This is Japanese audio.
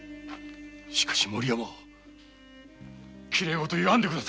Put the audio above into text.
しかし森山きれい事言わんで下さい。